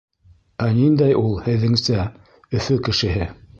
Ә ниндәй ул, һеҙҙеңсә, Өфө кешеһе?